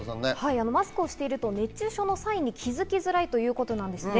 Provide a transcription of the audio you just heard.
マスクをしていると熱中症の際に気づきづらいということですね。